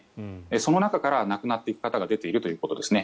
その中から亡くなっていく方が出ているということですね。